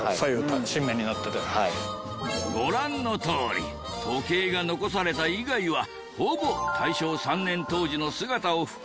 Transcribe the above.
ご覧のとおり時計が残された以外はほぼ大正３年当時の姿を復原。